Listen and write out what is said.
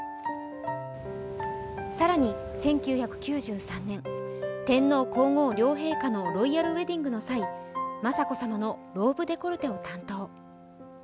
更に１９９３年、天皇・皇后両陛下のロイヤルウエディングの際、雅子さまのローブデコルテを担当。